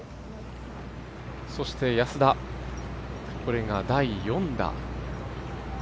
そして安田、これが第４打。